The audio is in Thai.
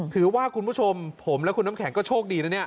คุณผู้ชมผมและคุณน้ำแข็งก็โชคดีนะเนี่ย